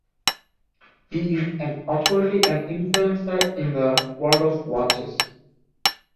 He is an authority and influencer in the world of watches.